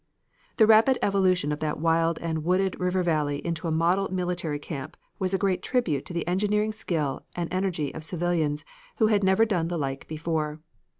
The rapid evolution of that wild and wooded river valley into a model military camp was a great tribute to the engineering skill and energy of civilians who had never done the like before.